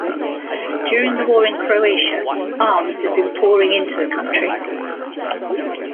During the war in Croatia, arms had been pouring into the country.